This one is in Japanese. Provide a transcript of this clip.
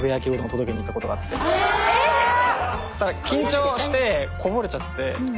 緊張してこぼれちゃって。